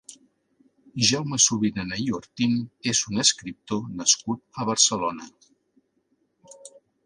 Jaume Subirana i Ortín és un escriptor nascut a Barcelona.